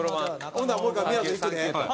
ほんならもう１回みやぞんいくで。